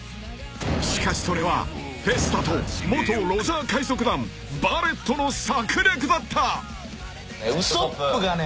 ［しかしそれはフェスタと元ロジャー海賊団バレットの策略だった］